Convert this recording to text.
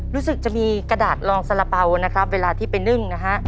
รู้สึกจะมีกระดาษรองสาระเป๋านะครับเวลาที่ไปนึ่งนะฮะ